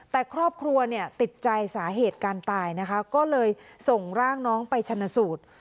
แต่ครอบครัวเนี่ยติดใจสาเหตุการตายนะคะก็เลยส่งร่างน้องไปชนะสูตร